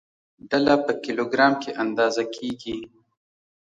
ډله په کیلوګرام کې اندازه کېږي.